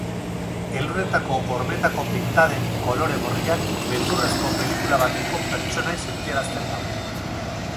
Elurretako hormetako pintaden kolore gorriak beldurrezko pelikula bateko pertsonai sentiarazten nau.